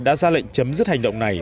đã ra lệnh chấm dứt hành động này